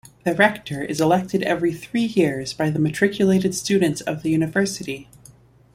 The Rector is elected every three years by the matriculated students of the University.